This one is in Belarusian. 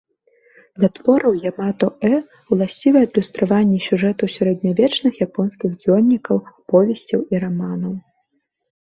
Для твораў ямато-э уласцівы адлюстраванне сюжэтаў сярэднявечных японскіх дзённікаў, аповесцяў і раманаў.